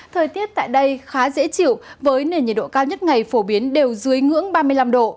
thời tiết tại đây khá dễ chịu với nền nhiệt độ cao nhất ngày phổ biến đều dưới ngưỡng ba mươi năm độ